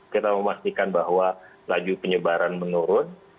kita memastikan bahwa laju penyebaran menurun